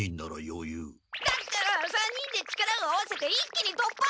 だったら３人で力を合わせて一気にとっぱ！